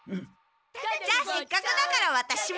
じゃあせっかくだからワタシも。